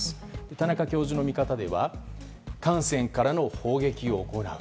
田中教授の見方では艦船からの砲撃を行う。